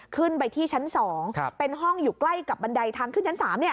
ขึ้นไปที่ชั้นสองครับเป็นห้องอยู่ใกล้กับบันไดทางขึ้นชั้นสามเนี้ย